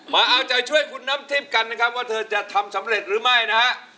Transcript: มาเอาใจช่วยคุณน้ำทิพย์กันนะครับว่าเธอจะทำสำเร็จหรือไม่นะฮะ